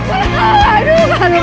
aduh aduh aduh